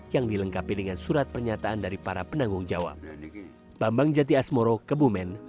yang dilengkapi dengan surat pernyataan dari para penanggung jawab